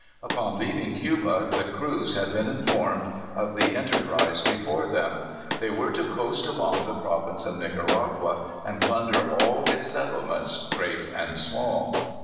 Upon leaving Cuba, the crews had been informed of the enterprise before them. They were to coast along the province of Nicaragua and plunder all its settlements, great and small.